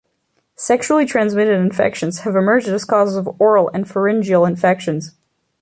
Sexually transmitted infections have emerged as causes of oral and pharyngeal infections.